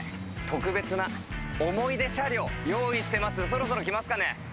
そろそろ来ますかね。